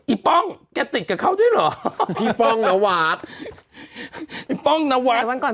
อีบป้องแกติดกับเขาด้วยเหรออีบป้องนวาดอีบป้องนวาดแต่วันก่อน